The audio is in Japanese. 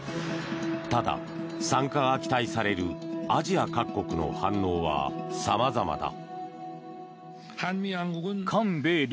ただ、参加が期待されるアジア各国の反応はさまざまだ。